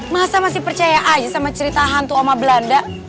masa masih percaya aja sama cerita hantu oma belanda